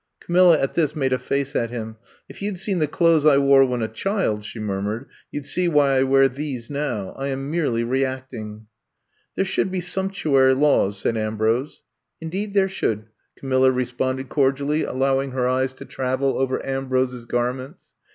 '' Camilla at this made a face at him. ^^If you 'd seen the clothes I wore when a child, she murmured, you *d see why I wear these now. I am merely reacting. There should be sumptuary laws, '' said Ambrose. Indeed there should, Camilla re sponded cordially, allomng her eyes to I'VE COMB TO STAY 37 travel over Ambrose *s garments.